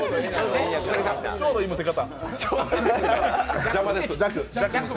ちょうどいいむせ方。